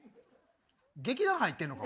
劇団入ってんのか？